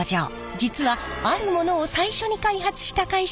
実はあるものを最初に開発した会社でもあるんです。